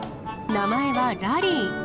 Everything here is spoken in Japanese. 名前はラリー。